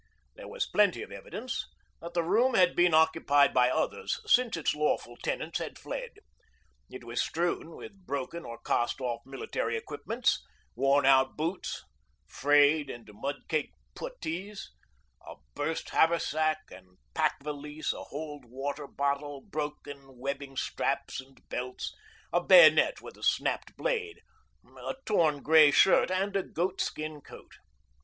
There was plenty of evidence that the room had been occupied by others since its lawful tenants had fled. It was strewn with broken or cast off military equipments, worn out boots, frayed and mud caked putties, a burst haversack and pack valise, a holed water bottle, broken webbing straps and belts, a bayonet with a snapped blade, a torn grey shirt, and a goatskin coat.